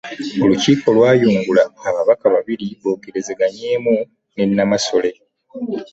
Olukiiko lwayungula ababaka babiri boogeranyeemu ne Namasole.